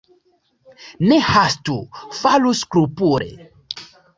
Ne hastu, faru skrupule.